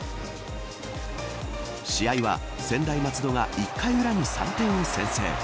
試合は専大松戸が１回裏に３点を先制。